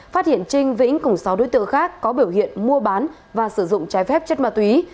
phát hiện trinh vĩnh cùng sáu đối tượng khác có biểu hiện mua bán và sử dụng trái phép chất ma túy